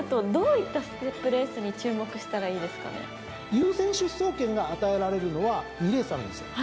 優先出走権が与えられるのは２レースあるんですよ。